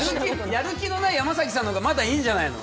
やる気のない山崎さんのほうがまだいいんじゃないの。